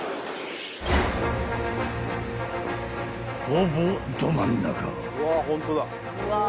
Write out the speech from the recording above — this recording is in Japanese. ［ほぼど真ん中］